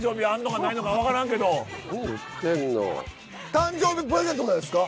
誕生日プレゼントってことですか？